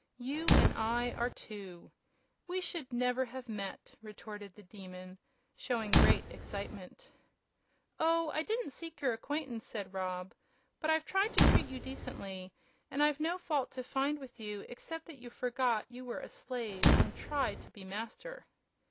You and I are two. We should never had met!" retorted the Demon, showing great excitement. "Oh, I didn't seek your acquaintance," said Rob. "But I've tried to treat you decently, and I've no fault to find with you except that you forgot you were a slave and tried to be a master."